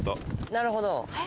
なるほど。